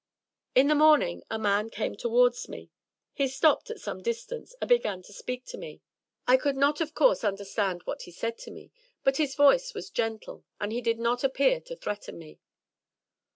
In the morning a man came towards me. He stopped at some distance, and began to speak to me. I could not, of course, 156 THE TREASURE CHEST understand what he said to me, but his voice was gentle, and he did not appear to threaten me.